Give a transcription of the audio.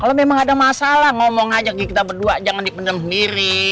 kalau memang ada masalah ngomong aja kita berdua jangan dipendam sendiri